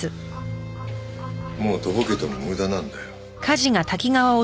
もうとぼけても無駄なんだよ。